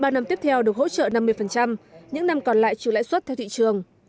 ba năm tiếp theo được hỗ trợ năm mươi những năm còn lại trừ lãi suất theo thị trường